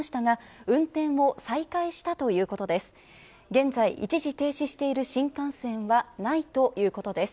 現在、一時停止している新幹線はないということです。